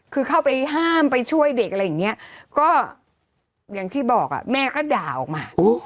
คือเข้าไปห้ามไปช่วยเด็กอะไรอย่างนี้ก็อย่างที่บอกแม่ก็ด่าออกมา